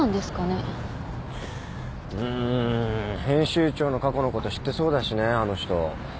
編集長の過去のこと知ってそうだしねあの人。